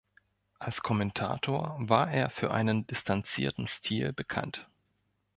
Als Kommentator war er für einen distanzierten Stil bekannt.